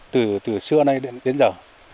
từ xưa này đến giờ